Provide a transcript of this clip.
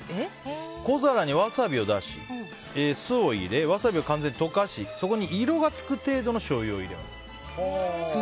小皿にワサビを出し酢を入れ、ワサビを完全に溶かしそこに色がつく程度の酢じょうゆってこと？